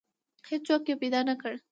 هیڅوک یې پیدا نه کړ.